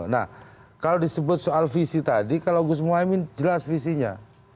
nah kalau disebut soal visi tadi kalau gus muhaymin jelas visinya